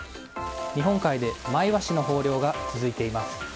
日本海でマイワシの豊漁が続いています。